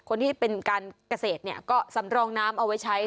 คนที่เป็นการเกษตรก็สำรองน้ำเอาไว้ใช้